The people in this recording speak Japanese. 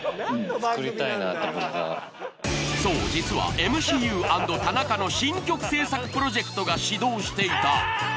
そう実はＭＣＵ＆田中の新曲制作プロジェクトが始動していた。